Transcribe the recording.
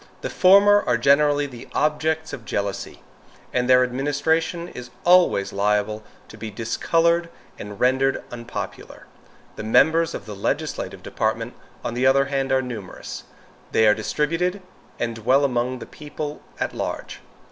The former are generally the objects of jealousy, and their administration is always liable to be discolored and rendered unpopular. The members of the legislative department, on the other hand, are numerous. They are distributed and dwell among the people at large.